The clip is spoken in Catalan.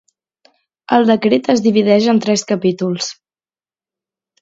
El decret es divideix en tres capítols.